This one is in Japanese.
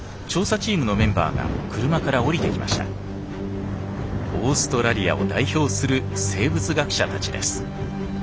オーストラリアを代表する生物学者たちです。